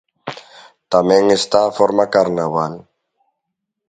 Tamén está a forma carnaval.